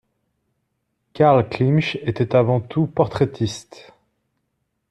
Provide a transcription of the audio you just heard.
Karl Klimsch était avant tout portraitiste.